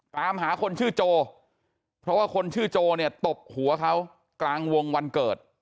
ตามหาคนชื่อโจเพราะว่าคนชื่อโจเนี่ยตบหัวเขากลางวงวันเกิด